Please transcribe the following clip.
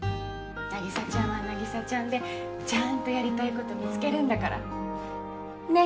凪沙ちゃんは凪沙ちゃんでちゃんとやりたいこと見つけるんだから。ね？